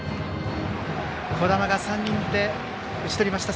児玉が３人で打ち取りました。